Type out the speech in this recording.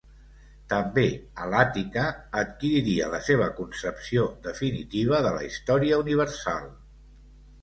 També a l'Àtica adquiriria la seva concepció definitiva de la Història Universal.